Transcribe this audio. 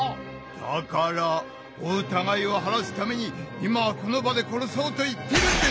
だからお疑いを晴らすために今この場で殺そうと言ってるんです！